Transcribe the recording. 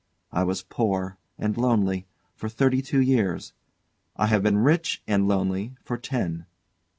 I was poor, and lonely, for thirty two years: I have been rich, and lonely, for ten.